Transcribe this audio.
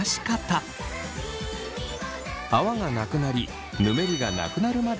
泡がなくなりぬめりがなくなるまで流すことが大切。